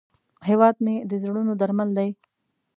هیواد مې د زړونو درمل دی